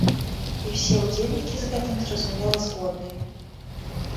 І ўсе ўдзельнікі з гэтым, зразумела, згодныя.